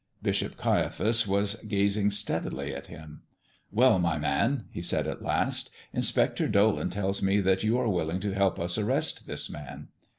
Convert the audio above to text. Bishop Caiaphas was gazing steadily at him. "Well, my man," he said, at last, "Inspector Dolan tells me that you are willing to help us arrest this Man."